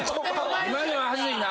今のは恥ずいな。